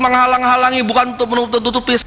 menghalang halangi bukan untuk menutupi